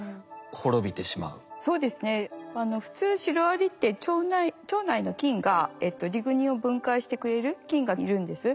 そうですね普通シロアリって腸内の菌がリグニンを分解してくれる菌がいるんです。